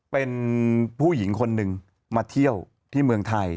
เป็นผู้หญิงคนหนึ่งมาเที่ยวที่เมืองไทย